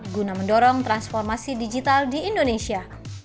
guna mendorong transformasi digital di indonesia